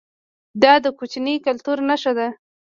دا د کوچي کلتور نښه وه